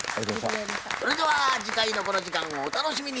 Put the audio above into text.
それでは次回のこの時間をお楽しみに。